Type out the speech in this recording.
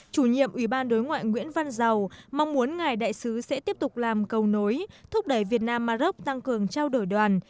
chủ nhiệm ủy ban đối ngoại nguyễn văn giàu mong muốn ngài đại sứ sẽ tiếp tục làm cầu nối thúc đẩy việt nam maroc tăng cường trao đổi đoàn